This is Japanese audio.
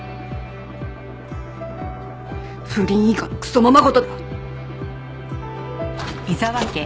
不倫以下のクソままごとだ！